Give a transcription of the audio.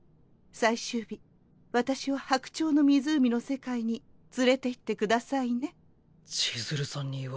最終日私を「白鳥の湖」の世界に連れていってくださいね。